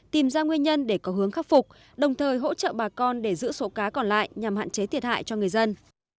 tìm ra nguyên nhân để có hướng khắc phục đồng thời hỗ trợ bà con để giữ số cá còn lại nhằm hạn chế thiệt hại cho người dân